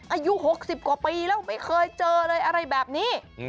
อายุ๖๐กว่าปีแล้วไม่เคยเจอเลยอะไรแบบนี้